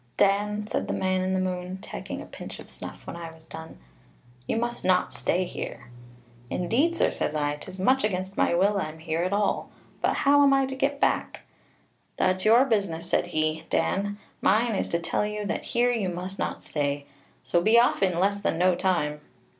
"'Dan,' said the man in the moon, taking a pinch of snuff when I was done, 'you must not stay here.' 'Indeed, sir,' says I, ''tis much against my will I'm here at all; but how am I to go back?' 'That's your business,' said he; 'Dan, mine is to tell you that here you must not stay; so be off in less than no time.'